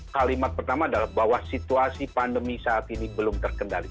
kalimat pertama adalah bahwa situasi pandemi saat ini belum terkendali